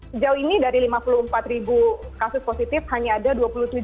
sejauh ini dari lima puluh empat ribu kasus positif hanya ada dua puluh tujuh